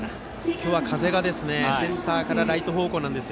今日は風が、センターからライト方向なんです。